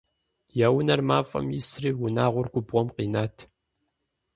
Я унэр мафӀэм исри, унагъуэр губгъуэм къинат.